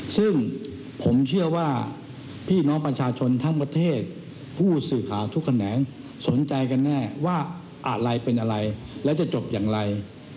ซึ่งผมเชื่อว่าพี่น้องประชาชนทั้งประเทศผู้สื่อข่าวทุกแขนงสนใจกันแน่ว่าอะไรเป็นอะไรแล้วจะจบอย่างไร